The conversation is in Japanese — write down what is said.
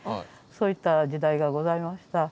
そういった時代がございました。